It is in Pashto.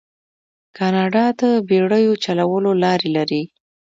کاناډا د بیړیو چلولو لارې لري.